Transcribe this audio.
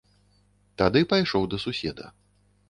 Тады пайшоў да суседа.